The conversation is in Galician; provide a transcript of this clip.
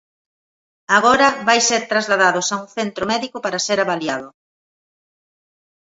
Agora vai ser trasladados a un centro médico pra ser avaliado.